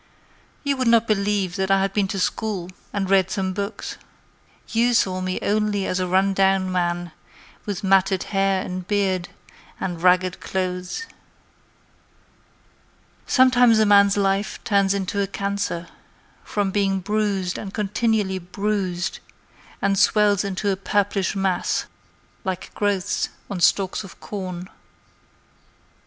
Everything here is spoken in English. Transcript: You would not believe that I had been to school And read some books. You saw me only as a run down man With matted hair and beard And ragged clothes. Sometimes a man's life turns into a cancer From being bruised and continually bruised, And swells into a purplish mass Like growths on stalks of corn.